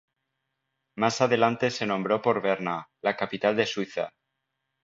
Más adelante se nombró por Berna, la capital de suiza.